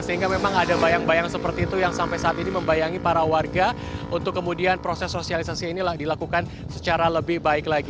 sehingga memang ada bayang bayang seperti itu yang sampai saat ini membayangi para warga untuk kemudian proses sosialisasi ini dilakukan secara lebih baik lagi